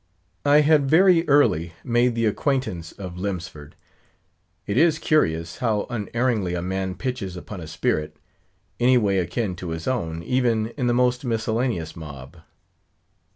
I had very early made the acquaintance of Lemsford. It is curious, how unerringly a man pitches upon a spirit, any way akin to his own, even in the most miscellaneous mob.